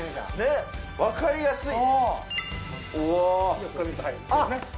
分かりやすいね